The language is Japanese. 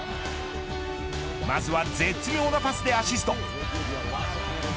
まずは絶妙なパスでアシスト。